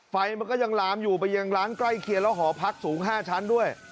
ไฟมันก็ยังลามอยู่ไปยังร้านใกล้เคียงแล้วหอพักสูง๕ชั้นด้วย